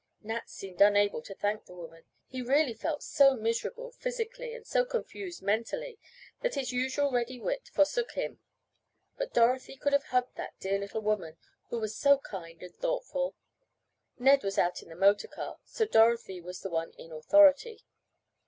Nat seemed unable to thank the woman. He really felt so miserable, physically, and so confused mentally, that his usual ready wit forsook him. But Dorothy could have hugged that dear little woman who was so kind and thoughtful. Ned was out in the motor car, so Dorothy was the one in "authority."